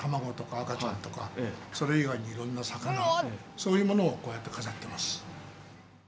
そういうものをこうやって飾ってます。